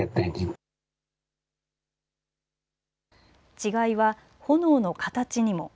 違いは炎の形にも。